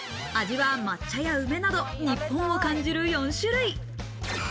味は抹茶や梅など、日本を感じる４種類。